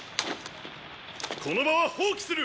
この場は放棄する！